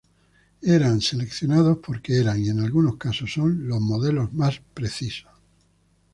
Eran seleccionados porque eran, y en algunos casos son, los modelos más precisos.